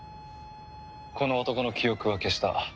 この男の記憶は消した。